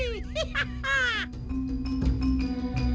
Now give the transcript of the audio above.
ยิปปี้